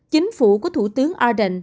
chính phủ của thủ tướng ardern